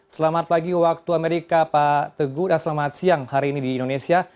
selamat pagi waktu amerika pak teguh dan selamat siang hari ini di indonesia